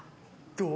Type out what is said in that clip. どう？